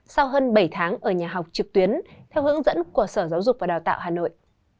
sau hơn bảy tháng ở nhà học trực tuyến theo hướng dẫn của sở giáo dục và đào tạo hà nội